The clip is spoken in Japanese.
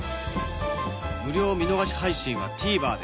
無料見逃し配信は ＴＶｅｒ で